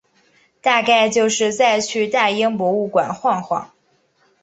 大概就是再去大英博物馆晃晃